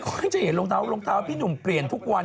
ฉันจะเห็นรองเท้ารองเท้าพี่หนุ่มเปลี่ยนทุกวัน